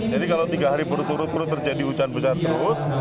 jadi kalau tiga hari berut urut terjadi hujan besar terus